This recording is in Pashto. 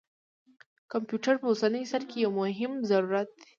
کمپیوټر په اوسني عصر کې یو مهم ضرورت دی.